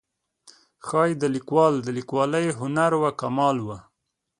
ښایي د لیکوال د لیکوالۍ هنر و کمال و.